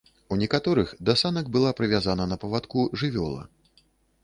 У некаторых да санак была прывязана на павадку жывёла.